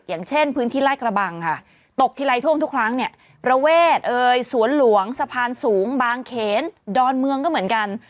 อย่างเช่นพื้นที่ลาดกระบังค่ะตกทีไรท่วมทุกครั้งเนี่ยประเวทสวนหลวงสะพานสูงบางเขนดอนเมืองก็เหมือนกัน